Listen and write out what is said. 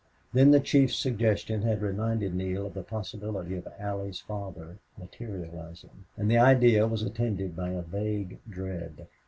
Then the chief's suggestion had reminded Neale of the possibility of Allie's father materializing. And the idea was attended by a vague dread.